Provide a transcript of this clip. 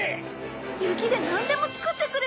雪でなんでも作ってくれるの？